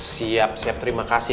siap siap terima kasih